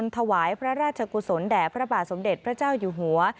ถวายพระราชกุศลแด่พระบาทสมเด็จพระเจ้าอยู่หัว